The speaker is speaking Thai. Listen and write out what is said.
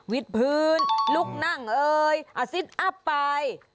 วิกพื้นลุกนั่งเอยอซี่อัพไป